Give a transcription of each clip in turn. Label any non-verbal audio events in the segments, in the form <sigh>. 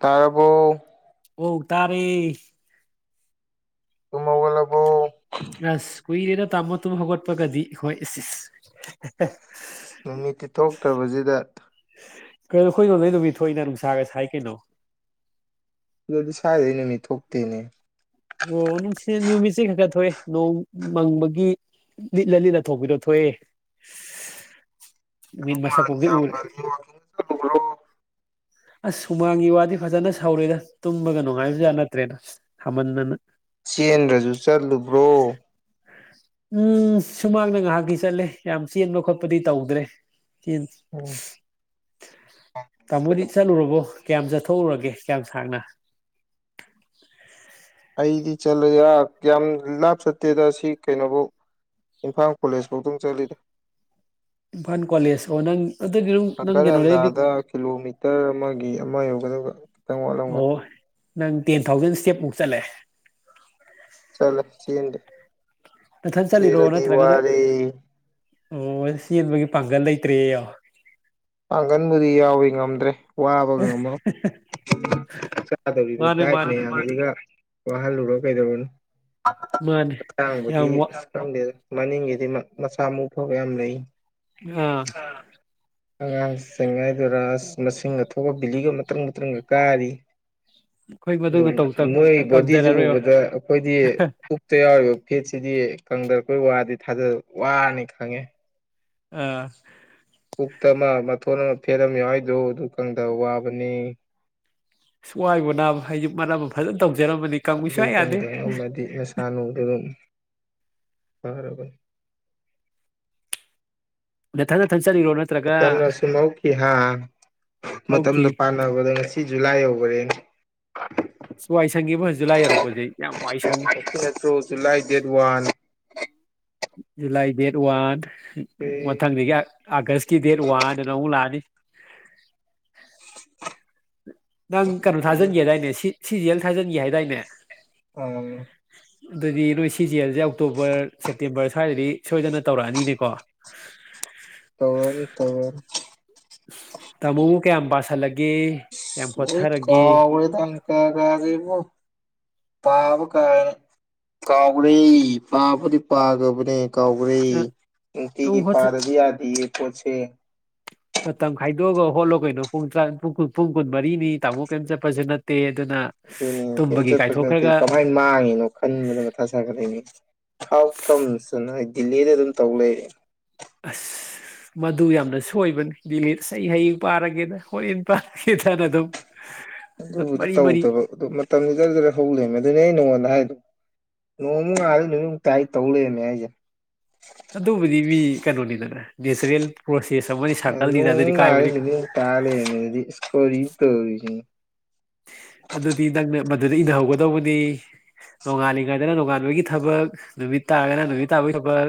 ꯇꯥꯔꯕꯣ ꯑꯣ ꯇꯥꯔꯦ ꯇꯨꯝ ꯍꯧꯒꯠ ꯑꯁ ꯀꯨꯏꯔꯦꯗꯦ ꯇꯥꯃꯣ ꯇꯨꯝ ꯍꯧꯒꯠꯄꯒꯗꯤ ꯑꯩꯈꯣꯢ ꯏꯁ ꯏꯁ‌ ꯅꯨꯃꯤꯠꯇꯤ ꯊꯣꯛꯇꯕꯖꯤꯗ ꯀꯩꯅꯣ ꯈꯣꯏꯔꯣꯝꯗꯗꯤ ꯅꯨꯃꯤꯠ ꯊꯣꯛꯏꯅ ꯅꯨꯡꯁꯥꯒ ꯁꯥꯏ ꯀꯩꯅꯣ ꯑꯗꯨꯗꯤ ꯁ꯭ꯋꯥꯏꯗꯗꯤ ꯅꯨꯃꯤꯠ ꯊꯣꯛꯇꯦꯅꯦ ꯑꯣ ꯅꯨꯡꯁꯤ ꯅꯨꯃꯤꯠꯁꯦ ꯈꯔ ꯈꯔ ꯊꯣꯛꯑꯦ ꯅꯣꯡ ꯃꯪꯕꯒꯤ ꯂꯤꯠꯂ ꯂꯤꯠꯂ ꯊꯣꯛꯄꯤꯗꯣ ꯊꯣꯛꯑꯦ ꯅꯨꯃꯤꯠ ꯃꯁꯛꯄꯨꯗꯤ ꯎꯔꯦ <unintelligible> ꯑꯁ ꯍꯨꯃꯥꯡꯒꯤ ꯋꯥꯗꯤ ꯐꯖꯅ ꯁꯧꯔꯦꯗ ꯇꯨꯝꯕꯒ ꯅꯨꯡꯉꯥꯏꯕꯖꯥꯠ ꯅꯠꯇ꯭ꯔꯦꯗ ꯁꯥꯃꯟꯗꯅ ꯆꯦꯟꯗ꯭ꯔꯁꯨ ꯆꯠꯂꯨꯕ꯭ꯔꯣ ꯎꯝ ꯁꯨꯃꯥꯡꯗ ꯉꯥꯍꯥꯛꯇꯤ ꯆꯠꯂꯦ ꯌꯥꯝ ꯆꯦꯟꯕ ꯈꯣꯠꯄꯗꯤ ꯇꯧꯗ꯭ꯔꯦ ꯆꯦꯟꯗꯦ ꯇꯥꯃꯣꯗꯤ ꯆꯠꯂꯨꯔꯕꯣ ꯀꯌꯥꯝ ꯆꯠꯊꯣꯛꯎꯔꯒꯦ ꯀꯌꯥꯝ ꯁꯥꯡꯅ ꯑꯩꯗꯤ ꯆꯠꯂꯦ ꯉꯔꯥꯡ ꯌꯥꯝ ꯂꯥꯞ ꯆꯠꯇꯦꯗ ꯑꯁꯤ ꯀꯩꯅꯣꯕꯧ ꯏꯝꯐꯥꯜ ꯀꯣꯂꯦꯖ ꯐꯥꯎꯗꯪ ꯆꯠꯂꯤꯗ ꯏꯝꯐꯥꯜ ꯀꯣꯂꯦꯖ ꯑꯣ ꯅꯪ ꯑꯗꯨꯗꯤ ꯑꯗꯨꯝ ꯅꯪ ꯍꯪꯒꯠ ꯀꯩꯅꯣꯗꯩꯗꯤ ꯍꯟꯗꯥꯗ ꯀꯤꯂꯣꯃꯤꯇꯔ ꯑꯃꯒꯤ ꯑꯃ ꯌꯧꯒꯗꯕ ꯈꯤꯇꯪ ꯋꯠꯂꯝꯒꯅꯤ ꯑꯣ ꯅꯪ ꯇꯦꯟ ꯊꯥꯎꯖꯟ ꯏꯁꯇꯦꯞꯃꯨꯛ ꯆꯠꯂꯦ ꯆꯠꯂꯦ ꯆꯦꯟꯗꯦ ꯅꯊꯟ ꯆꯠꯂꯤꯔꯣ ꯆꯦꯟꯂꯗꯤ ꯅꯠꯇ꯭ꯔꯒ ꯅꯣꯏ ꯋꯥꯔꯦ ꯑꯣ ꯆꯦꯟꯕꯒꯤ ꯄꯥꯡꯒꯜ ꯂꯩꯇ꯭ꯔꯦ ꯌꯣ ꯄꯥꯡꯒꯟꯕꯨꯗꯤ ꯌꯥꯎꯏ ꯉꯝꯗ꯭ꯔꯦ ꯋꯥꯕꯒꯤ ꯑꯃ ꯃꯥꯅꯦ ꯃꯥꯅꯦ <unintelligible> <unintelligible> <unintelligible> ꯋꯥꯍꯜꯂꯨꯔꯥ ꯀꯩꯗꯧꯔꯨꯅꯤ ꯃꯥꯅꯦ ꯍꯛꯆꯥꯡꯕꯨꯗꯤ ꯌꯥꯝ ꯋꯥ ꯈꯪꯗꯦꯗ ꯃꯅꯤꯡꯒꯤꯗꯤ ꯃꯥ ꯃꯁꯥ ꯃꯎ ꯐꯕ ꯌꯥꯝ ꯂꯩ ꯑꯥ ꯑꯉꯥꯡꯁꯤꯡ ꯍꯥꯏꯗꯣꯏꯔ ꯑꯁ ꯃꯁꯤꯡꯒ ꯊꯣꯛꯑ ꯕꯤꯂꯤꯒ ꯃꯇ꯭ꯔꯪ ꯃꯇ꯭ꯔꯪꯒ ꯀꯥꯔꯤ ꯑꯩꯈꯣꯏ ꯃꯗꯨꯃ ꯗꯨꯃꯥꯏꯅ ꯇꯧ ꯇꯝ ꯃꯣꯏ ꯕꯣꯗꯤꯖꯦ ꯇꯝꯖꯔꯔꯣꯏꯕ ꯎꯕꯗ ꯑꯩꯈꯣꯏꯗꯤ ꯄꯨꯛ ꯇꯌꯥꯎꯔꯤꯕ ꯐꯦꯠꯁꯤꯗꯤ ꯀꯪꯗꯄ ꯋꯥꯗꯤ ꯊꯥꯖ ꯋꯥꯅꯤ ꯈꯪꯉꯦ ꯑꯥ ꯎꯛꯇ ꯑꯃ ꯃꯊꯣꯟ ꯑꯃ ꯐꯦꯠ ꯑꯃ ꯌꯥꯎꯔꯤꯗꯣ ꯑꯗꯨ ꯀꯪꯗꯕ ꯋꯥꯕꯅꯦ ꯑꯁ ꯋꯥꯏꯕꯨ ꯅꯥꯕꯥ ꯑꯩꯖꯨ ꯃꯔꯝꯑꯝ ꯐꯖꯟꯅ ꯇꯧꯖꯔꯝꯕꯗꯤ ꯀꯪꯎ ꯁꯨꯛꯌꯥ ꯌꯥꯗꯦ ꯍꯥꯟꯅ ꯎꯒꯤꯒꯨꯝ ꯐꯔꯕꯅꯦ ꯅꯊꯟ ꯊꯟ ꯆꯠꯔꯤꯔꯣ ꯅꯥꯠ ꯃꯇꯝꯅ ꯑꯁꯨꯝ ꯍꯧꯈꯤ ꯍꯥ ꯍꯧꯈꯤ ꯃꯇꯝꯅ ꯄꯥꯟ ꯅꯕꯗꯣ ꯉꯁꯤ ꯖꯨꯂꯥꯏ ꯌꯧꯒ꯭ꯔꯦꯅꯦ ꯋꯥꯏ ꯁꯪꯏꯕꯨ ꯖꯨꯂꯥꯏ ꯌꯧꯔꯛꯄꯗꯩ ꯌꯥꯝ ꯋꯥꯏ ꯁꯪꯉꯤ <inaudible> July date one July date one ꯃꯊꯪꯗꯒꯤ ꯑꯥꯒꯁꯀꯤ ꯗꯦꯠ ꯋꯥꯟꯅꯅ ꯑꯃꯨꯛ ꯂꯥꯛꯑꯅꯤ ꯅꯪ ꯀꯦꯅꯣ ꯊꯥꯖꯤꯟꯒꯦꯗꯥꯏꯅꯦ ꯁꯤ ꯁꯤ ꯖꯤ ꯌꯦꯜ ꯊꯥꯖꯟꯒꯤ ꯍꯥꯏꯗꯥꯏꯅꯦ ꯑꯥ ꯗꯨꯏꯗꯤ ꯅꯣꯏ ꯁꯤ ꯖꯤ ꯖꯦꯜꯖꯦ ꯑꯣꯛꯇꯣꯕꯔ ꯁꯦꯞꯇꯦꯝꯕꯔ ꯁ꯭ꯋꯥꯏꯗꯗꯤ ꯁꯣꯏꯗꯅ ꯇꯧꯔꯛꯑꯅꯤꯅꯦꯀꯣ ꯇꯧꯔꯛꯑꯅꯤ ꯇꯧꯔꯛꯑꯅꯤ ꯇꯥꯃꯣꯕꯨ ꯀꯌꯥꯝ ꯄꯁꯤꯜꯂꯒꯦ ꯂꯣꯏ ꯀꯋꯥꯔꯗ ꯇꯪ ꯇꯥꯔꯥꯒꯤ ꯃꯨꯛ ꯄꯥꯕ ꯀ ꯀꯥꯎꯔꯦ ꯄꯥꯕꯗꯤ ꯄꯥꯒ꯭ꯔꯥ ꯕꯥꯅꯦ ꯀꯧꯈ꯭ꯔꯦ ꯅꯨꯡꯇꯤꯒꯤ ꯄꯥꯗ꯭ꯔꯦꯗꯤ ꯌꯥꯗꯦꯌꯦ ꯄꯣꯠꯁꯦ ꯃꯇꯝ ꯈꯥꯏꯗꯣꯛꯑꯒ ꯍꯣꯠꯂꯣ ꯀꯩꯅꯣ ꯄꯨꯡ ꯇ꯭ꯔꯟ ꯄꯨꯡ ꯀꯨꯟ ꯄꯨꯡ ꯀꯨꯟ ꯃꯔꯤꯅꯤ ꯇꯥꯃꯣ ꯀꯦꯑꯦꯝ ꯆꯠꯄꯁꯨ ꯅꯠꯇꯦ ꯑꯗꯨꯅ ꯗꯨꯅꯦ ꯀꯦꯑꯦꯝ ꯇꯨꯝꯕꯒꯤ ꯆꯠꯄ ꯅꯠꯇꯦ ꯀꯥꯏꯊꯣꯛꯈ꯭ꯔꯒ ꯀꯃꯥꯏꯅ ꯃꯥꯡꯉꯤꯅꯣ ꯈꯟꯕꯗ ꯃꯊꯥ ꯁꯥꯒ ꯂꯩꯔ ꯍꯥꯎ ꯀꯝꯁ ꯁꯅ ꯗꯤꯜꯂꯤꯗ ꯑꯗꯨꯝ ꯇꯧ ꯂꯩꯔꯦ ꯑꯁ ꯃꯗꯨ ꯌꯥꯝꯅ ꯁꯣꯏꯕꯅꯤ ꯗꯤꯂꯤꯠ ꯑꯩ ꯍꯌꯦꯡ ꯄꯥꯔꯒꯦꯗ ꯍꯣꯔꯦꯟ ꯄꯥꯔꯒꯦꯗꯅ ꯑꯗꯨꯝ ꯑꯗꯨꯕꯨꯗꯤ ꯃꯔꯤ ꯃꯔꯤ ꯇꯧꯗꯕ ꯑꯗꯨ ꯃꯇꯝꯗꯨ ꯖꯔꯥ ꯖꯔꯥ ꯍꯧ ꯂꯩꯔꯦꯝꯃꯦ ꯑꯗꯨꯅꯦ ꯑꯩ ꯅꯉꯣꯟꯗ ꯍꯥꯏꯗꯣ ꯅꯣꯡꯃꯨꯛ ꯉꯥꯜꯑꯦ ꯅꯨꯃꯤꯠ ꯃꯨꯛꯇꯥꯏ ꯑꯩ ꯇꯧ ꯂꯩꯔꯦꯝꯃꯦ ꯍꯥꯏꯖꯦ ꯑꯗꯨꯕꯨꯗꯤ ꯃꯤ ꯀꯩꯅꯣꯅꯤꯗꯅ ꯅꯦꯆꯥꯔꯦꯜ ꯄ꯭ꯔꯣꯁꯦꯁ ꯑꯃꯅꯤ ꯁꯥꯔꯀꯜꯅꯤꯗ ꯑꯗꯨꯗꯤ ꯀꯥꯏꯕꯗꯤ ꯀꯥꯏ ꯇ ꯂꯩꯔꯝꯃꯦꯗꯤ ꯏꯁ ꯀꯣꯔꯤꯅꯣ ꯇꯧꯔꯤꯖꯤꯅꯤ ꯑꯗꯨꯗꯗꯤ ꯅꯥꯪꯅꯥꯞ ꯃꯗꯨꯗ ꯏꯅꯍꯧꯒꯗꯧꯕꯅꯤ ꯅꯣꯡꯉꯥꯜꯂꯤꯉꯩꯗꯅ ꯅꯣꯡꯉꯥꯟꯕꯒꯤ ꯊꯕꯛ ꯅꯨꯃꯤꯠ ꯇꯥꯔꯒꯅ ꯅꯨꯃꯤꯠ ꯇꯥꯕꯒꯤ ꯊꯕꯛ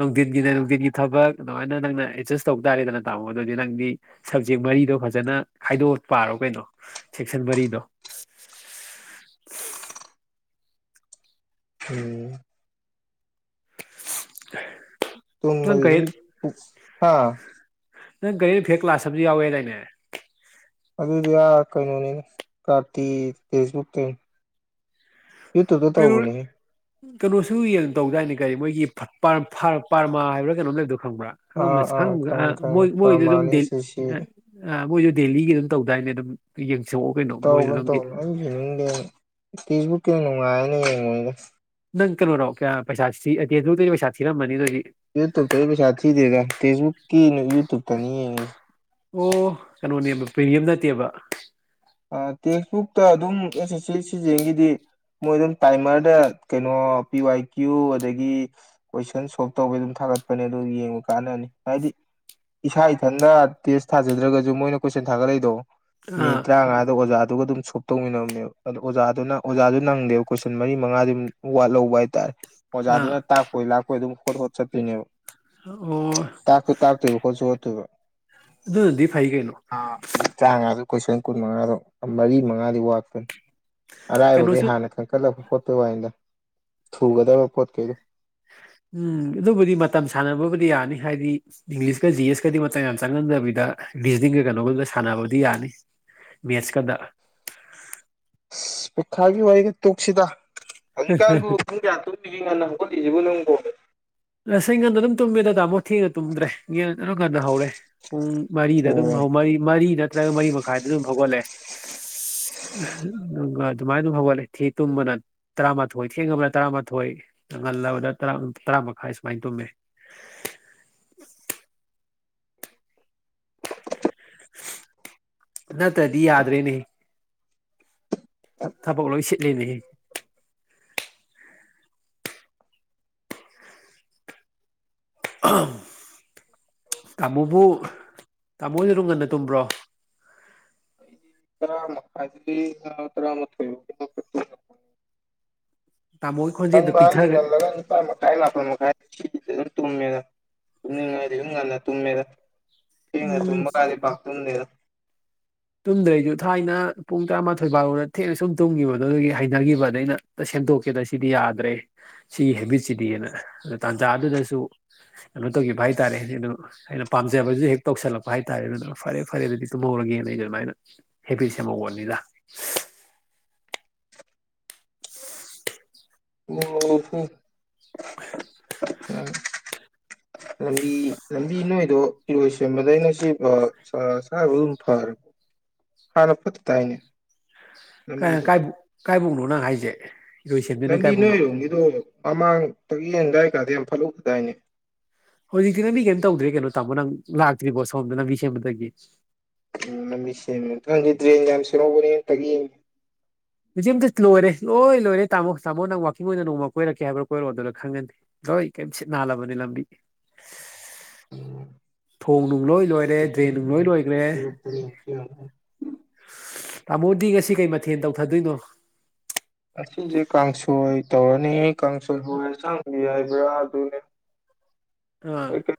ꯅꯨꯡꯊꯤꯟꯒꯤꯅ ꯅꯨꯡꯊꯤꯟꯒꯤ ꯊꯕꯛ ꯗꯨꯃꯥꯏꯅ ꯅꯪꯅ ꯑꯦꯗꯖꯁ ꯇꯧ ꯇꯥꯔꯦꯗꯅ ꯇꯥꯃꯣ ꯑꯗꯨꯗꯤ ꯅꯪꯗꯤ ꯁꯕꯖꯦꯛ ꯃꯔꯤꯗꯣ ꯐꯖꯟꯅ ꯈꯥꯏꯗꯣꯛ ꯑ ꯄꯥꯔꯣ ꯀꯩꯅꯣ ꯁꯦꯛꯁꯥꯟ ꯃꯔꯤꯗꯣ ꯎꯝ <inaudible> ꯇꯨꯝꯕꯥ ꯀꯔꯦꯟ ꯈꯨꯗꯤꯡ ꯏꯁ ꯍꯥ ꯅꯪ ꯀꯌꯦꯟ ꯏ ꯀꯥ꯭ꯂꯥꯁ ꯑꯥꯃꯖꯨ ꯌꯥꯎꯋꯦꯗꯥꯏꯅꯦ ꯑꯗꯨꯗꯤ ꯑꯥ ꯀꯩꯅꯣꯅꯤꯗ ꯀꯥꯔꯇꯤ ꯐꯦꯁꯕꯨꯛꯇꯅꯤ ꯎꯇꯨꯞ ꯇ ꯀꯩꯅꯣ ꯇꯧꯕꯅꯤ ꯍꯦ ꯀꯩꯅꯣꯁꯨ ꯌꯦꯟ ꯇꯧꯗꯥꯏꯅꯦ ꯀꯔꯤ ꯃꯣꯏꯒꯤ ꯐꯔ꯭ꯠ ꯄꯥꯔꯃꯥ ꯍꯥꯏꯕ꯭ꯔꯥ ꯀꯩꯅꯣꯝ ꯂꯩꯕꯗꯣ ꯈꯪꯕ꯭ꯔꯥ ꯑꯥ ꯈꯪꯉꯝꯂꯣꯏ ꯑꯥ ꯁꯪꯒ ꯑ ꯈꯪꯉꯦ ꯈꯪꯉꯦ ꯃꯣꯏ ꯃꯣꯏꯗꯨ ꯑꯗꯨꯝ ꯄ꯭ꯔꯃꯥꯟꯅꯤ ꯗꯦꯜꯂꯤ ꯁꯤ ꯁꯤ ꯑ ꯃꯣꯏꯗꯣ ꯗꯦꯜꯂꯤꯒꯤ ꯑꯗꯨꯝ ꯇꯧꯗꯥꯏꯅꯦ ꯑꯗꯨꯝ ꯌꯦꯡꯁꯣꯛꯑꯣ ꯀꯩꯅꯣ ꯃꯣꯏꯗꯣ ꯗꯪꯗꯤ <unintelligible> ꯇꯦꯁꯕꯨꯛꯀꯤꯅ ꯅꯨꯡꯉꯥꯏꯌꯦꯅ ꯌꯦꯡꯕꯅꯤꯗ ꯅꯪ ꯀꯩꯅꯣꯔꯣ ꯀꯌꯥ ꯄꯩꯁꯥ ꯁꯤ ꯑ ꯇꯦꯁꯕꯨꯛ ꯇꯩꯗꯤ ꯄꯩꯁꯥ ꯊꯤꯔꯝꯃꯅꯤ ꯑꯗꯨꯏꯗꯤ ꯌꯨꯇꯨꯞꯇꯅꯤ ꯄꯩꯁꯥ ꯊꯤꯗꯦꯗ ꯇꯦꯁꯕꯨꯛꯀꯤ ꯌꯨꯇꯨꯞꯇꯅꯤ ꯌꯦꯡꯉꯤꯖ ꯑꯣ ꯀꯩꯅꯣꯅꯦꯕ ꯄ꯭ꯔꯤꯃꯤꯌꯝ ꯅꯠꯇꯦꯕ ꯑꯥ ꯇꯦꯛꯁꯕꯨꯛꯇ ꯑꯗꯨꯝ ꯑꯦꯁ ꯑꯦꯁ ꯁꯤ ꯁꯤꯖꯤꯑꯦꯟꯒꯤꯗꯤ ꯃꯣꯏ ꯑꯗꯨꯝ ꯇꯥꯏꯃꯔꯗ ꯀꯩꯅꯣ ꯄꯤ ꯋꯥꯏ ꯀ꯭ꯌꯨ ꯑꯗꯒꯤ ꯀꯣꯏꯁꯟ ꯁꯣꯜꯕ ꯇꯧꯕꯩ ꯑꯗꯨꯝ ꯊꯥꯒꯠꯄꯅꯦ ꯑꯗꯨ ꯌꯦꯡꯕ ꯀꯥꯟꯅꯅꯤ ꯍꯥꯏꯗꯤ ꯏꯁꯥ ꯏꯊꯟꯗ ꯇꯦꯁ ꯊꯥꯖꯗ꯭ꯔꯒꯖꯨ ꯃꯣꯏꯅ ꯀꯣꯏꯁꯟ ꯊꯥꯒꯠꯂꯛꯏꯗꯣ ꯑ ꯥꯗ ꯑꯣꯖꯥꯗꯨꯒ ꯑꯗꯨꯝ ꯁꯣꯞ ꯇꯧꯃꯤꯟꯅꯝꯅꯦꯕ ꯑꯗꯣ ꯑꯣꯖꯥꯗꯨꯅ ꯑꯣꯖꯥꯗꯨ ꯅꯪꯗꯦꯕ ꯀꯣꯏꯁꯟ ꯃꯔꯤ ꯃꯉꯥꯗꯤ ꯑꯗꯨꯝ ꯋꯥꯠꯂꯧꯕ ꯍꯥꯏꯇꯥꯔꯦ ꯑꯥ ꯑꯣꯖꯥꯗꯨꯅ ꯇꯥꯛꯄꯣꯏ ꯂꯥꯛꯄꯣꯏ ꯑꯗꯨꯝ ꯈꯣꯠ ꯈꯣꯠ ꯆꯠꯇꯣꯏꯅꯦꯕ ꯑꯣ ꯇꯥꯛꯁꯨ ꯇꯥꯛꯇꯣꯏꯕ ꯍꯣꯁꯨ ꯍꯣꯠꯇꯣꯏꯕ ꯑꯗꯨꯅꯗꯤ ꯐꯩ ꯀꯩꯅꯣ ꯑꯥ ꯃꯤ ꯇ꯭ꯔꯥꯉꯥꯗꯨ ꯀꯣꯏꯁꯟ ꯀꯨꯟ ꯃꯉꯥꯗꯣ ꯃꯔꯤ ꯃꯉꯥꯗꯤ ꯋꯥꯠꯄꯅꯤ ꯑꯔꯥꯏꯕꯒꯩ ꯀꯩꯅꯣꯁꯨ ꯍꯥꯟꯅ ꯈꯟꯀꯠꯂꯒ ꯍꯣꯠꯄꯩ ꯋꯥꯅꯤꯗ ꯊꯨꯒꯗꯕ ꯄꯣꯠꯀꯩꯗꯣ ꯎꯝ ꯑꯗꯨꯕꯨꯗꯤ ꯃꯇꯝ ꯁꯥꯟꯅꯕꯕꯨꯗꯤ ꯌꯥꯅꯤ ꯍꯥꯏꯗꯤ ꯏꯪꯂꯤꯁꯀ ꯖꯤ ꯑꯦꯁꯀꯗꯤ ꯃꯇꯝ ꯌꯥꯝ ꯆꯪꯍꯟꯗꯕꯤꯗ ꯔꯤꯖꯅꯤꯡꯒ ꯀꯩꯅꯣꯒꯗ ꯁꯥꯟꯅꯕꯗꯤ ꯌꯥꯅꯤ ꯃꯦꯁꯀꯗ ꯄꯩꯈꯥꯒꯤ ꯋꯥꯔꯤꯒ ꯇꯣꯛꯁꯤꯗ ꯍꯧꯖꯤꯛꯀꯥꯟꯕꯨ ꯄꯨꯡ ꯀꯌꯥ ꯇꯨꯃꯤ ꯅꯨꯡꯇꯤꯒꯤ ꯉꯟꯅ ꯍꯧꯒꯠꯂꯤꯖꯤꯕꯨ ꯅꯪꯕꯨ ꯔꯁꯩ ꯉꯟꯗ ꯑꯗꯨꯝ ꯇꯨꯝꯃꯦꯗ ꯇꯥꯃꯣ ꯊꯦꯡꯅ ꯇꯨꯝꯗ꯭ꯔꯦ ꯌꯦꯟ ꯑꯗꯨꯅ ꯉꯟꯅ ꯍꯧꯔꯦ ꯄꯨꯡ ꯃꯔꯤꯗ ꯑꯗꯨꯝ ꯑꯣ ꯍꯧ ꯃꯔꯤ ꯃꯔꯤ ꯅꯠꯇ꯭ꯔꯒ ꯃꯔꯤ ꯃꯈꯥꯏꯗ ꯑꯗꯨꯝ ꯍꯧꯒꯠꯂꯑꯦ <inaudible> ꯑꯗꯨꯃꯥꯏꯟ ꯑꯗꯨꯝ ꯍꯧꯒꯠꯂꯦ ꯊꯤ ꯇꯨꯝꯕꯅ ꯇꯔꯥꯃꯥꯊꯣꯏ ꯊꯦꯡꯉꯕꯅ ꯇꯔꯥꯃꯥꯊꯣꯏ ꯉꯜꯂꯕꯗ ꯇꯔꯥ ꯇꯔꯥ ꯃꯈꯥꯏ ꯁꯨꯃꯥꯏꯟ ꯇꯨꯝꯃꯦ ꯅꯇ꯭ꯔꯗꯤ ꯌꯥꯗ꯭ꯔꯦꯅꯦ ꯊꯕꯛ ꯂꯣꯏ ꯁꯤꯠꯂꯦꯅꯦꯍꯦ ꯇꯥꯃꯣꯕꯨ ꯇꯥꯃꯣ ꯍꯣꯏꯗꯤ ꯑꯗꯨꯝ ꯉꯟꯅ ꯇꯨꯝꯕ꯭ꯔꯣ ꯇꯔꯥ ꯃꯈꯥꯏꯗꯒꯤ ꯇꯔꯥꯃꯥꯊꯣꯏ <unintelligible> ꯇꯥꯃꯣꯒꯤ ꯈꯣꯟꯖꯦꯜꯗꯣ ꯉꯟꯕ ꯍꯥꯏꯖꯦ ꯄꯤꯛꯊꯈ꯭ꯔꯦ ꯉꯜꯂꯒ ꯅꯤꯄꯥꯟ ꯃꯈꯥꯏ ꯃꯥꯄꯟ ꯃꯈꯥꯏ ꯁꯤꯁꯤꯗꯤ ꯑꯗꯨꯝ ꯇꯨꯝꯃꯦꯗꯥ ꯇꯨꯝꯅꯤꯡꯉꯗꯤ ꯗꯨꯝ ꯉꯟꯅ ꯇꯨꯝꯃꯦꯗꯥ ꯊꯦꯡꯅ ꯎꯝ ꯇꯨꯝꯕ ꯀꯥꯗꯤ ꯄꯥꯛ ꯇꯨꯝꯗꯦꯗ ꯇꯨꯝꯗ꯭ꯔꯦ ꯑꯩꯖꯨ ꯊꯥꯏꯅ ꯄꯨꯡ ꯇꯔꯥꯃꯥꯊꯣꯏ ꯕꯥꯔꯣꯗ ꯊꯦꯡꯅ ꯁꯨꯝ ꯇꯨꯝꯒꯤꯕ ꯑꯗꯣ ꯗꯨꯒꯤ ꯍꯩꯅꯒꯤꯕ ꯗꯩꯩ ꯑꯩꯅ ꯇ ꯁꯦꯝꯗꯣꯛꯀꯦꯗ ꯁꯤꯗꯤ ꯌꯥꯗ꯭ꯔꯦ ꯁꯤꯒꯤ ꯍꯦꯕꯤꯠꯁꯤꯗꯤꯅ ꯇꯥꯟꯖꯥꯗꯨꯗꯁꯨ ꯀꯩꯅꯣ ꯇꯧꯒꯤꯕ ꯍꯥꯏ ꯇꯥꯔꯦ <unintelligible> ꯑꯩꯅ ꯄꯥꯝꯖꯕꯖꯨ ꯍꯦꯛ ꯇꯧꯁꯜꯂꯛꯄ ꯍꯥꯏꯇꯥꯔꯦ ꯑꯗꯨꯅ ꯐꯔꯦ ꯐꯔꯦ ꯑꯗꯨꯗꯤ ꯇꯨꯝꯍꯧꯔꯒꯦꯅ ꯑꯩꯅ ꯑꯃꯥꯏꯅ ꯍꯦꯕꯤꯠ ꯁꯦꯝꯍꯧꯕꯅꯤꯗ <inaudible> ꯑꯣ ꯍꯣ ꯂꯝꯕꯤ ꯂꯝꯕꯤ ꯅꯣꯏꯗꯣ ꯏꯔꯣꯏꯁꯦꯝꯕꯗꯩꯅ ꯁꯤ <unintelligible> ꯍꯥꯟꯅ ꯐꯠꯇ ꯇꯥꯏꯅꯦ ꯀ꯭ꯔꯥꯏ ꯂꯝꯕꯤꯗꯨꯕꯨ ꯀꯥꯏꯕꯨꯛ ꯀꯥꯏꯕꯨꯛꯅꯣ ꯅꯪ ꯍꯥꯏꯖꯦ ꯂꯝꯕꯤ ꯅꯣꯏꯔꯣꯝꯒꯤꯗꯣ ꯃꯃꯥꯡ ꯇꯛꯌꯦꯟ ꯗꯥꯥꯏ ꯀꯥꯗꯤ ꯌꯥꯝ ꯐꯠꯂꯧꯗꯗꯥꯏꯅꯦ ꯍꯧꯖꯤꯛꯇꯤ ꯂꯝꯕꯤ ꯀꯩꯝ ꯇꯧꯗ꯭ꯔꯦ ꯀꯩꯅꯣ ꯇꯥꯃꯣ ꯅꯪ ꯂꯥꯛꯇ꯭ꯔꯤꯕꯣ ꯁꯣꯝꯗ ꯂꯝꯕꯤ ꯁꯦꯝꯕꯗꯒꯤ ꯎꯝ ꯂꯝꯕꯤ ꯁꯦꯝꯃꯦ ꯗ꯭ꯔꯦꯟ ꯌꯥꯝ ꯁꯦꯝꯍꯧꯕꯅꯤ ꯇꯒꯤ <unintelligible> ꯂꯣꯏꯔꯦ ꯂꯣꯏ ꯂꯣꯏꯔꯦꯥꯃꯣꯥꯃ ꯅꯪ ꯋꯥꯥꯛꯡ ꯑꯣꯏꯅ ꯅꯣꯡꯃ ꯀꯣꯏꯔꯛꯀ ꯍꯥꯏꯕ꯭ꯔꯥ ꯀꯣꯏꯔꯛꯑꯣ ꯑꯗꯨꯗ ꯈꯪꯒꯅꯤ ꯂꯣꯏ ꯀꯤꯝ ꯁꯤꯠ ꯅꯥꯂꯕꯅꯤ ꯂꯝꯕꯤ꯫ <inaudible> ꯊꯣꯡ ꯅꯨꯡ ꯂꯣꯏ ꯂꯣꯏꯔꯦ ꯗ꯭ꯔꯦꯟ ꯅꯨꯡ ꯂꯣꯏ ꯂꯣꯏꯈ꯭ꯔꯦ꯫ <unintelligible> ꯇꯥꯃꯣꯗꯤ ꯉꯁꯤ ꯀꯩ ꯃꯊꯦꯜ ꯇꯧꯊꯗꯣꯏꯅꯣ꯫ ꯉꯁꯤꯁꯦ ꯀꯥꯡꯁꯣꯏ ꯇꯧꯔꯅꯤ ꯀꯥꯡꯁꯣꯏ ꯍꯣꯏ ꯆꯥꯡꯕꯤ ꯍꯥꯏꯕ꯭ꯔꯥ ꯑꯗꯨꯅꯦ꯫ ꯑꯥ꯫ <unintelligible>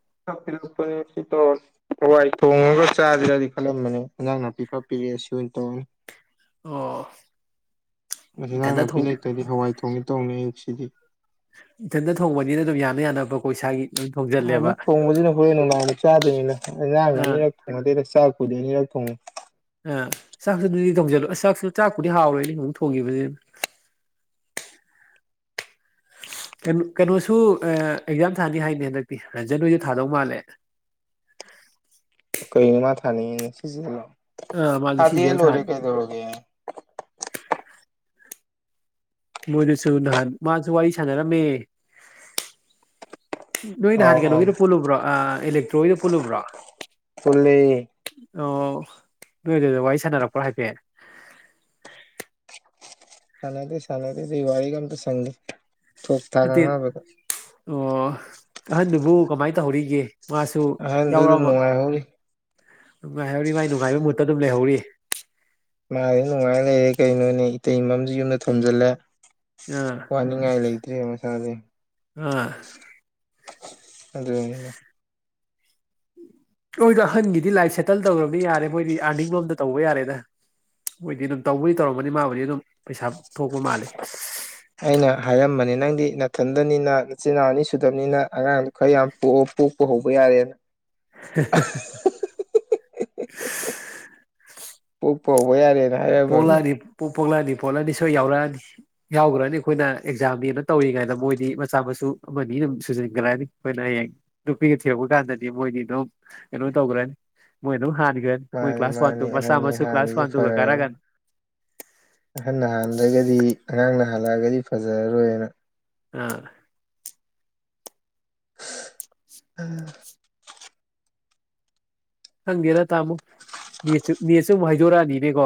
ꯍꯋꯥꯏ ꯊꯣꯡꯉꯒ ꯆꯥꯁꯦꯔꯥꯗꯤ ꯈꯜꯂꯝꯕꯅꯦ ꯑꯦꯟꯖꯥꯡ ꯅꯥꯄꯤ ꯈꯔ ꯄꯤꯔꯛꯑꯦ ꯁꯤ ꯑꯣꯏꯅ ꯇꯧꯔꯅꯤ꯫ ꯑꯣ ꯑꯦꯟꯖꯥꯡ ꯏꯊꯟꯇ ꯅꯥꯄꯤ ꯊꯣꯡ ꯂꯩꯇꯗꯤ ꯍꯋꯥꯏ ꯊꯣꯡꯅꯤ ꯇꯧꯅꯤ ꯑꯥꯁꯤꯗꯤ ꯏꯊꯟꯗ ꯊꯣꯡꯕꯅꯤꯅ ꯑꯗꯨꯝ ꯌꯥꯅ ꯌꯥꯅꯕꯀꯣꯏ ꯏꯁꯥꯒꯤ꯫ ꯑꯗꯨꯝ ꯊꯣꯡꯖꯜꯂꯦꯕ ꯑꯃꯨꯛ ꯊꯣꯡꯕꯁꯤꯅ ꯍꯣꯔꯦꯟ ꯅꯨꯡꯃꯥꯏꯕ ꯆꯥꯗꯣꯏꯅꯤꯅ ꯑꯦꯟꯖꯥꯡ ꯑꯥ ꯑꯅꯤꯔꯛ ꯊꯣꯡꯅꯗꯦꯗ ꯆꯥꯛꯄꯨꯗꯤ ꯑꯅꯤꯔꯛ ꯊꯣꯡꯉꯤ ꯑ ꯆꯥꯛꯁꯨ ꯑꯗꯨꯗꯤ ꯊꯣꯡꯖꯜꯂꯣ ꯆꯥꯛꯁꯨ ꯆꯥꯛꯄꯨꯗꯤ ꯍꯥꯎꯔꯣꯏ ꯏꯅꯦ ꯑꯃꯨꯛ ꯊꯣꯡꯈꯤꯕꯅꯤ꯫ ꯀꯩꯅꯣꯁꯨ ꯑꯦꯛꯖꯥꯝ ꯊꯥꯅꯤ ꯍꯥꯏꯅꯤ ꯍꯟꯗꯛꯇꯤ ꯔꯖꯟꯣꯏꯗ ꯊꯥꯗꯧ ꯃꯥꯜꯂꯦ꯫ ꯀꯩꯅꯣ ꯃꯥ ꯊꯥꯅꯤꯡꯉꯤꯅꯦ ꯁꯤꯁꯤꯗꯂꯥꯛꯑꯣ ꯑꯥ ꯃꯥꯁꯨ ꯊꯥꯗꯦ ꯁꯤꯖꯦꯜ ꯊꯥ ꯂꯣꯏꯔꯦ ꯀꯩꯗꯧꯔꯒꯦ꯫ ꯃꯣꯏꯗ ꯆꯥꯠꯂꯨ ꯅꯍꯥꯟ ꯃꯥꯁꯨ ꯋꯥꯔꯤ ꯁꯥꯟꯅꯔꯝꯃꯦ꯫ ꯅꯣꯏ ꯅꯍꯥꯟ ꯑꯥꯎ ꯀꯩ ꯑꯥꯎ ꯅꯣꯒꯤꯅ ꯄꯨꯜꯂꯨꯕ꯭ꯔꯣ ꯑ ꯏꯂꯦꯛꯇ꯭ꯔꯣꯒꯤꯅ ꯄꯨꯜꯂꯨꯕ꯭ꯔꯣ꯫ ꯑꯣ ꯄꯨꯜꯂꯦ ꯅꯣꯏꯗꯨꯗ ꯋꯥꯔꯤ ꯁꯥꯟꯅꯔꯛꯄ꯭ꯔꯣꯥ ꯍꯥꯏꯐꯦꯠ꯫ ꯁꯥꯟꯅꯗꯦ ꯁꯥꯟꯅꯗꯦ ꯑꯗꯨꯒꯤ ꯋꯥꯔꯤꯒ ꯑꯝꯇ ꯁꯪꯗꯦ ꯊꯣꯛ ꯊꯥꯛ ꯅꯠꯇꯦ ꯉꯥꯡꯅꯕꯗ꯫ ꯑꯣ ꯑꯍꯟꯗꯨꯕꯨ ꯀꯃꯥꯏꯅ ꯇꯧꯍꯧꯔꯤꯒꯦ ꯃꯥꯁꯨ ꯑꯍꯟꯗꯨꯗ ꯌꯥꯎꯔꯛꯑꯃ ꯅꯨꯡꯉꯥꯏꯍꯧꯔꯤ ꯅꯨꯡꯉꯥꯏꯍꯧꯔꯤ ꯃꯥꯏ ꯅꯨꯡꯉꯥꯏꯕ ꯃꯨꯠꯇ ꯑꯗꯨ ꯂꯩꯍꯧꯔꯤꯌꯦ꯫ ꯃꯥꯗꯤ ꯅꯨꯡꯉꯥꯏꯅ ꯂꯩꯔꯦ ꯀꯩꯅꯣꯅꯦ ꯏꯇꯩꯃꯝꯁꯨ ꯌꯨꯝꯗ ꯊꯥꯝꯖꯤꯜꯂꯦ꯫ ꯑꯥ ꯋꯥꯅꯤꯡꯉꯥꯏ ꯂꯩꯇ꯭ꯔꯦ ꯃꯁꯥꯗꯤ꯫ ꯑꯥ꯫ ꯑꯗꯨꯒꯤꯅꯦꯗ꯫ ꯑꯣꯏ ꯑꯍꯟꯒꯤꯗꯤ ꯂꯥꯏꯐꯁ ꯁꯦꯇꯜ ꯇꯧꯔꯕꯅꯤ ꯌꯥꯔꯦ ꯃꯣꯏꯗꯤ ꯑꯥꯔꯅꯤꯡ ꯂꯣꯝꯗ ꯇꯧꯕ ꯌꯥꯔꯦꯗ꯫ ꯃꯣꯏꯗꯤ ꯑꯗꯨꯝ ꯇꯧꯕꯗꯤ ꯇꯧꯔꯝꯝꯕꯅꯤ ꯃꯥꯕꯨꯗꯤ ꯑꯗꯨꯝ ꯄꯩꯁꯥ ꯊꯣꯛꯄ ꯃꯥꯜꯂꯦ꯫ ꯑꯩꯅ ꯍꯥꯏꯔꯝꯕꯅꯦ ꯅꯪꯗꯤ ꯅꯥꯊꯟꯗꯅꯤꯅ ꯅꯆꯤꯟꯜ ꯏꯅꯥꯎ ꯑꯅꯤ ꯁꯨꯗꯕꯅꯤꯅ ꯑꯉꯥꯡ ꯈꯔ ꯌꯥꯝ ꯄꯣꯛꯎ ꯄꯣꯛꯄ ꯍꯧꯕ ꯌꯥꯔꯦꯅ꯫ <unintelligible> ꯄꯣꯛꯄ ꯍꯧꯕ ꯌꯔꯦ꯫ ꯄꯣꯛꯂꯛꯑꯅꯤ ꯄꯣꯛꯂꯛꯑꯅꯤ ꯄꯣꯛꯂꯛꯅꯤ ꯁꯣꯏ ꯌꯥꯎꯔꯛꯑꯅꯤ꯫ ꯌꯥꯎꯈ꯭ꯔꯅꯤ ꯑꯩꯈꯣꯏꯅ ꯑꯦꯛꯖꯥꯝꯅꯦꯅ ꯇꯧꯔꯤꯉꯥꯏꯗ ꯃꯣꯏꯗꯤ ꯃꯆꯥ ꯃꯁꯨ ꯑꯃꯅꯤ ꯑꯗꯨꯝ ꯁꯨꯖꯟꯈ꯭ꯔꯅꯤ ꯑꯩꯈꯣꯏꯅ ꯍꯌꯦꯡ꯫ ꯅꯨꯄꯤꯒ ꯊꯤꯔꯛꯄ ꯀꯥꯟꯗꯗꯤ ꯃꯣꯏꯗꯤ ꯑꯗꯨꯝ ꯀꯩꯅꯣ ꯇꯧꯈ꯭ꯔꯅꯤ ꯃꯣꯏ ꯑꯗꯨꯝ ꯍꯥꯟꯈ꯭ꯔꯅꯤ꯫ ꯍꯣꯏ ꯃꯥꯅꯤ ꯀ꯭ꯂꯥꯁ ꯋꯥꯟ ꯃꯥꯅꯤ ꯑꯍꯟ ꯃꯁꯥ ꯑꯣꯏ ꯃꯁꯁꯨ ꯀ꯭ꯂꯥꯁ ꯍꯥꯟꯅꯗꯒꯤ ꯋꯟ ꯇꯨ ꯑꯍꯜ ꯅꯍꯜꯗꯒꯗꯤ ꯑꯉꯥꯡ ꯅꯍꯜꯂꯛꯑꯒꯗꯤ ꯐꯖꯔꯔꯣꯏꯅ꯫ ꯑꯥ꯫ ꯎꯝ꯫ ꯈꯪꯗꯦꯅ ꯇꯥꯃꯣ ꯅꯦꯠꯁꯨ ꯅꯦꯠꯁꯨ ꯑꯃꯨꯛ ꯍꯥꯏꯗꯣꯔꯛꯑꯅꯤꯅꯦꯀꯣ꯫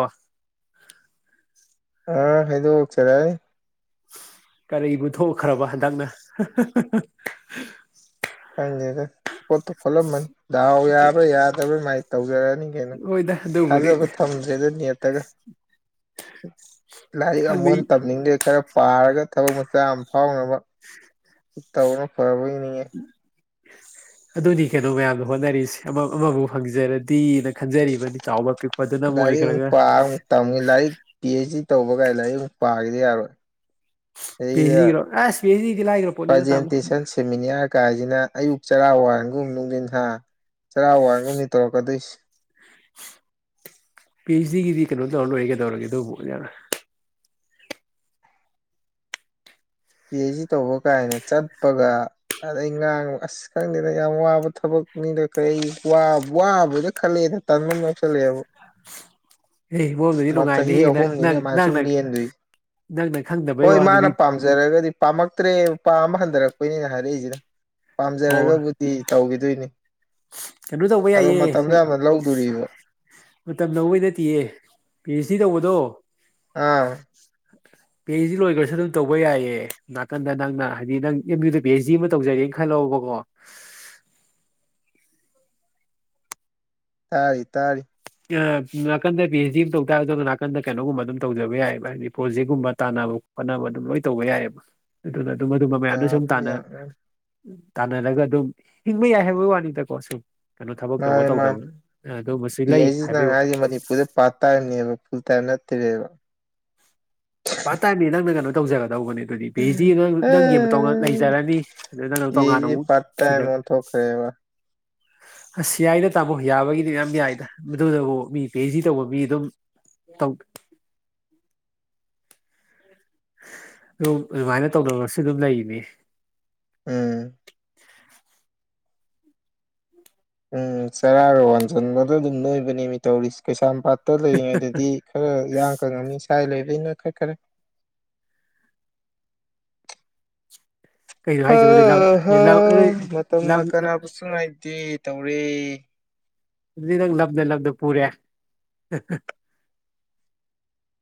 ꯑꯥ ꯍꯥꯏꯗꯣꯛꯆꯔꯥꯛꯑꯅꯤ꯫ ꯀꯔꯤꯕꯨ ꯊꯣꯛꯈ꯭ꯔꯕ ꯍꯟꯗꯛꯅ꯫ ꯈꯪꯗꯦꯗ ꯄꯣꯠꯇꯨ ꯈꯣꯠꯂꯝꯃꯅꯤ ꯗꯥꯍꯎ ꯌꯥꯕ꯭ꯔꯥ ꯌꯥꯗꯕ꯭ꯔꯥ ꯑꯗꯨꯃꯥꯏꯅ ꯇꯧꯖꯔꯛꯑꯅꯤ꯫ ꯀꯅ ꯍꯣꯏꯗ ꯑꯗꯨꯕꯨꯗꯤ ꯊꯥꯖꯕ ꯊꯝꯗ꯭ꯔꯦꯗ ꯅꯦꯠꯇꯒ꯫ ꯂꯥꯏꯔꯤꯛ ꯑꯃꯨꯛ ꯈꯪꯅꯩ ꯍꯟꯅ ꯇꯝꯅꯤꯡꯗꯦ ꯈꯔ ꯄꯥꯔꯒ ꯊꯕꯛ ꯃꯆꯥ ꯑꯃ ꯐꯥꯎꯅꯕ ꯇꯧꯕꯅ ꯐꯔꯕꯣꯏ ꯅꯤꯡꯉꯦ ꯑꯗꯨꯗꯤ ꯀꯩꯅꯣ ꯃꯌꯥꯝꯅ ꯍꯣꯠꯅꯔꯤꯁꯦ ꯑꯃꯕꯨ ꯐꯪꯖꯔꯗꯤꯅ ꯈꯟꯖꯔꯤꯕꯅꯤ ꯆꯥꯎꯕ ꯄꯤꯛꯄꯗꯨꯅ ꯑꯃ ꯂꯥꯏꯔꯤꯛ ꯑꯃꯨꯛ ꯑꯣꯏꯈ꯭ꯔꯒ ꯄꯥꯔ ꯑꯃꯨꯛ ꯇꯝꯃꯤ ꯂꯥꯏꯔꯤꯛ ꯄꯤ ꯑꯩꯩꯆ ꯗꯤ ꯇꯧꯕꯀꯥꯏ ꯂꯥꯏꯔꯤꯛ ꯑꯃꯨꯛ ꯄꯥꯈꯤꯗ ꯌꯥꯔꯣꯏ ꯄꯤ ꯑꯩꯆ ꯑꯗꯩꯗ ꯗꯤꯔꯣ ꯑꯁ ꯄꯤ ꯑꯩꯆ ꯂꯥꯏꯈ꯭ꯔ ꯄꯣꯠꯅꯤꯗ ꯇꯥꯃꯣ ꯄ꯭ꯔꯖꯦꯟꯇꯦꯁꯟ ꯁꯦꯃꯤꯅꯤꯌꯥꯔ ꯀꯥꯏꯁꯤꯅ ꯑꯌꯨꯛ ꯆꯔꯥ ꯋꯥꯟꯒꯨꯝ ꯅꯨꯡꯗꯤꯟ ꯊꯥ ꯆꯔꯥ ꯋꯥꯟꯒꯨꯝꯅꯤ ꯇꯧꯔꯛꯀꯗꯣꯏꯁꯤ ꯄꯤ ꯑꯩꯆ ꯗꯤꯒꯤꯗꯤ ꯀꯩꯅꯣ ꯇꯧꯔ ꯂꯣꯏꯔꯦ ꯀꯗꯧꯔꯒꯦ ꯑꯗꯨꯕꯨ ꯄꯤ ꯑꯩꯆ ꯗꯤ ꯇꯧꯕ ꯀꯥꯏꯅ ꯆꯠꯄꯒ ꯑꯗꯩ ꯉꯥꯡꯕ ꯑꯁ ꯈꯪꯗꯦꯗ ꯌꯥꯝ ꯋꯥꯕ ꯊꯕꯛꯅꯤꯅ ꯀꯩ ꯋꯥꯕꯣꯏꯅ ꯈꯜꯂꯦꯗ ꯇꯟꯕ ꯑꯃ ꯑꯦ ꯃꯔꯣꯝꯗꯗꯤ ꯌꯥꯎꯁꯜꯂꯛꯑꯦꯕ <inaudible> ꯆꯍꯤ ꯅꯨꯡꯉꯥꯏꯅꯤꯍꯦ ꯅꯪ ꯑꯍꯨꯝꯅꯤꯅꯦ ꯅꯪ ꯑꯃꯥꯏꯅ ꯁꯨꯝ ꯅꯪꯅ ꯂꯦꯟꯗꯣꯏꯁꯦ ꯅꯪꯅ ꯈꯪꯗꯕꯩ ꯍꯣꯏ ꯋꯥꯅꯤ ꯃꯥꯅ ꯃꯤ ꯄꯥꯝꯖ ꯄꯥꯝꯖꯔꯒꯗꯤ ꯄꯥꯝꯃꯛꯇ꯭ꯔꯦ ꯄꯥꯝꯕ ꯍꯟꯊꯔꯛꯄꯩꯅꯦ ꯑꯩꯅ ꯍꯥꯏꯔꯛꯏꯁꯤꯅ ꯑꯣ ꯄꯥꯝꯖꯔꯒꯕꯨꯗꯤ ꯇꯧꯈꯤꯗꯣꯏꯅꯤ ꯀꯩꯅꯣ ꯇꯧꯕ ꯑꯗꯣ ꯌꯥꯏꯌꯦ ꯃꯇꯝꯗꯤ ꯌꯥꯝ ꯂꯧꯗꯣꯔꯤꯕ ꯃꯇꯝ ꯂꯧꯕꯩ ꯅꯠꯇꯤꯌꯦ ꯄꯤ ꯑꯩꯆ ꯗꯤ ꯇꯧꯕꯗꯣ ꯑꯥ ꯄꯤ ꯑꯩꯆ ꯗꯤ ꯂꯣꯏꯈ꯭ꯔꯁꯨ ꯑꯗꯨꯝ ꯇꯧꯕ ꯌꯥꯏꯌꯦ ꯅꯥꯀꯟꯗ ꯅꯪꯅ ꯍꯥꯏꯗꯤ ꯅꯪ ꯑꯦꯝ ꯌꯨꯗ ꯄꯤ ꯑꯩꯆ ꯗꯤ ꯑꯃ ꯇꯧꯖꯔꯦꯅ ꯈꯜꯂꯕꯀꯣ ꯇꯥꯔꯤ ꯇꯥꯔꯤ ꯅꯥꯀꯟꯗ ꯄꯤ ꯑꯩꯆ ꯗꯤ ꯑꯃ ꯇꯧ ꯇꯥꯔꯁꯨ ꯑꯗꯨꯒ ꯅꯥꯀꯟꯗ ꯀꯩꯅꯣꯒꯨꯝꯕ ꯑꯗꯨꯝ ꯇꯧꯖꯕ ꯌꯥꯏꯑꯦꯕ ꯍꯥꯏꯗꯤ ꯄ꯭ꯔꯣꯖꯦꯛꯀꯨꯝꯕ ꯇꯥꯟꯅꯕ ꯐꯅꯕ ꯑꯗꯨꯝ ꯂꯣꯏ ꯇꯧꯕ ꯌꯥꯏꯑꯦꯕ <inaudible> ꯑꯗꯨꯅ ꯑꯗꯨꯝ ꯑꯗꯨꯝꯕ ꯃꯌꯥꯝꯅ ꯁꯨꯝ ꯌꯥꯕꯨꯗꯤ ꯇꯥꯟꯅ ꯌꯥꯝ ꯇꯥꯟꯅꯔꯒ ꯑꯗꯨꯝ ꯍꯤꯡꯕ ꯌꯥꯏ ꯍꯥꯏꯕꯒꯤ ꯋꯥꯅꯤꯗꯀꯣ ꯁꯨꯝ ꯀꯩꯅꯣ ꯊꯕꯛ ꯇꯧꯕ ꯃꯥꯅꯤ ꯃꯥꯅꯤ ꯇꯧꯗꯕ ꯑꯗꯨꯃꯁꯨ ꯄꯤ ꯂꯩ ꯑꯩꯆ ꯍꯥꯏꯕꯩ ꯅꯪ ꯋꯥ ꯍꯥꯏꯁꯦ ꯃꯅꯤꯄꯨꯔꯗ ꯄꯥꯔꯠ ꯇꯥꯏꯝꯅꯦꯕ ꯐꯨꯜ ꯇꯥꯏꯝ ꯅꯠꯇ꯭ꯔꯦꯕ ꯄꯥꯠ ꯇꯥꯏꯝꯅꯤ ꯅꯪꯅ ꯀꯩꯅꯣ ꯇꯧꯖꯒꯗꯧꯕꯅꯦ ꯑꯗꯨꯗꯤ ꯄꯤ ꯑꯩꯆ ꯗꯤ ꯅꯪꯒꯤ ꯑꯃ ꯇꯣꯉꯥꯟꯅ ꯂꯩꯖꯔꯅꯤ ꯑꯗꯨ ꯅꯪ ꯅꯪ ꯇꯣꯉꯥꯟꯅ ꯑꯃꯨꯛ ꯁꯤꯗ ꯀꯔꯤ ꯍꯥꯏꯕ ꯑꯁ ꯌꯥꯏꯗ ꯇꯥꯃꯣ ꯌꯥꯕꯒꯤꯗꯤ ꯌꯥꯝ ꯌꯥꯏꯗ ꯃꯗꯨꯅꯕꯨ ꯃꯤ ꯄꯤ ꯑꯩꯆ ꯗꯤ ꯇꯧꯕ ꯃꯤ ꯑꯗꯨꯝ ꯇꯧ ꯑꯗꯨ ꯑꯗꯨꯃꯥꯏꯅ ꯇꯧꯅꯕꯁꯨ ꯑꯗꯨꯝ ꯂꯩꯅꯤ ꯑꯥ ꯎꯝ ꯆꯔꯥꯒ ꯋꯥꯟꯁꯤꯟꯕꯗ ꯑꯗꯨꯝ ꯅꯣꯏꯕꯅꯦ ꯃꯤ ꯇꯧꯔꯤꯁꯁꯤ ꯀꯩꯁꯥꯝꯄꯥꯠ ꯇ ꯂꯩꯔꯤꯉꯩꯗꯗꯤ ꯈꯔ ꯏꯌꯥꯡ ꯀꯪꯉꯝꯃꯤ ꯁꯥꯏ ꯂꯩꯕꯗꯒꯤ ꯅꯣꯏꯈꯠꯈ꯭ꯔꯦ ꯀꯩꯅꯣ ꯍ ꯍꯥꯏꯁꯤꯕꯣ ꯑꯗꯨ ꯂꯝ ꯥꯍ ꯂꯝ ꯂꯝ ꯥꯃꯇꯝꯅ ꯀꯅꯥꯕꯨꯁꯨ ꯉꯥꯏꯗꯦ ꯇꯧꯔꯦ ꯑꯗꯨꯗꯤ ꯅꯪ ꯂꯕꯅ ꯂꯕꯅ ꯄꯨꯔꯦ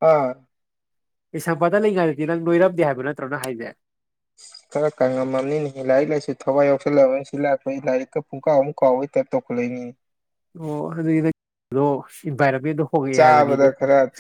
ꯑꯥ ꯀꯩꯁꯥꯝꯄꯥꯠꯇ ꯂꯩꯔꯤꯉꯩꯗꯗꯤ ꯅꯪ ꯅꯣꯏꯔꯝꯗꯦ ꯍꯥꯏꯕ ꯅꯠꯇ꯭ꯔꯣ ꯅꯪ ꯍꯥꯏꯁꯦ ꯈꯔ ꯀꯪꯉꯝꯃꯕꯅꯤꯅꯦ ꯂꯥꯏꯔꯤꯛ ꯂꯥꯏꯁꯨ ꯊꯋꯥꯏ ꯌꯥꯎꯁꯜꯂꯛꯑꯕꯅꯤ ꯁꯤ ꯂꯥꯛꯄꯗꯒꯤ ꯂꯥꯏꯔꯤꯛꯀ ꯄꯨꯡꯀꯥꯎꯃꯨꯛ ꯀꯥꯎꯕꯩ ꯇꯥꯏꯞ ꯇꯧꯈꯠꯂꯛꯏꯅꯦ ꯑꯣ ꯑꯗꯨꯒꯤ ꯅꯪꯒꯤꯗꯣ ꯏꯟꯚꯥꯏꯔꯦꯃꯦꯟꯗꯣ ꯍꯣꯡꯉꯛꯑꯦ ꯍꯥꯏꯕꯅꯤꯅꯦ ꯆꯥꯕꯗ ꯈꯔ ꯆꯥ